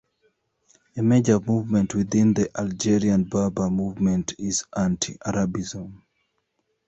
A major movement within the Algerian Berber movement is Anti-Arabism.